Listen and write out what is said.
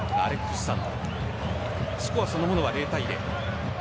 スコアそのものは０対０。